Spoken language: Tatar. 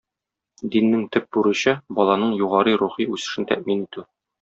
Диннең төп бурычы - баланың югары рухи үсешен тәэмин итү.